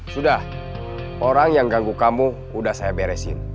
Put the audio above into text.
sudah orang yang ganggu kamu udah saya beresin